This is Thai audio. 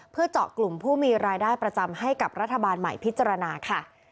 เพื่อเจาะกลุ่มผู้มีรายได้ประจำให้กับรัฐบาลใหม่พิจารณาค่ะ